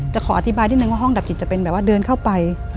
ขออธิบายนิดนึงว่าห้องดับกิจจะเป็นแบบว่าเดินเข้าไป